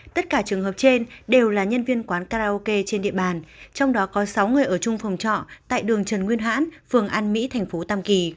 tất cả trường hợp trên đều là nhân viên quán karaoke trên địa bàn trong đó có sáu người ở chung phòng trọ tại đường trần nguyên hãn phường an mỹ thành phố tam kỳ